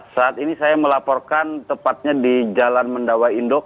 saat ini saya melaporkan tepatnya di jalan mendawai indok